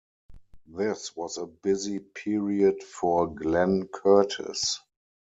This was a busy period for Glenn Curtiss.